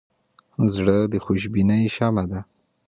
زړه د خوشبینۍ شمعه ده.